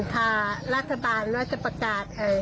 ค่ะรัฐบาลมันจะประกาศ